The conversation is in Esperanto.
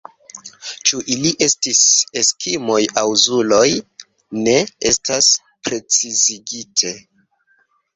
Ĉu ili estis eskimoj aŭ zuluoj, ne estas precizigite.